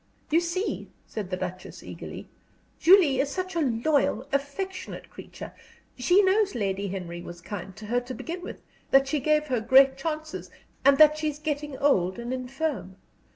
"You see," said the Duchess, eagerly, "Julie is such a loyal, affectionate creature. She knows Lady Henry was kind to her, to begin with, that she gave her great chances, and that she's getting old and infirm.